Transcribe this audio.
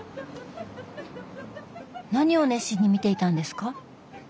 何を熱心に見ていたんですか？